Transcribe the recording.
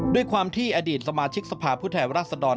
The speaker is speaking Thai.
ด้วยความที่อดีตสมาชิกสภาพผู้แทนรัศดร